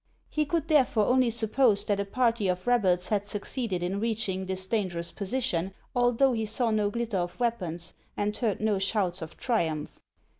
He could therefore only suppose that a party of rebels had succeeded in reaching this dangerous position, although he saw no glitter of weapons, and heard no shouts of triumph.